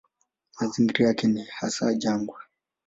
Mazingira yake ni hasa jangwa.